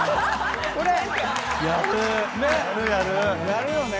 やるよね！